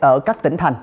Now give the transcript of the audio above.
ở các tỉnh thành